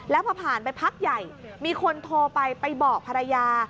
แล้วพอผ่านไปพักใหญ่มีคนโทรไปไปบอกภรรยา